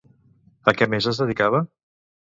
A què més es dedicava?